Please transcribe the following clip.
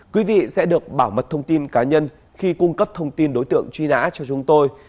quý vị sẽ được bảo mật thông tin cá nhân khi cung cấp thông tin đối tượng truy nã cho chúng tôi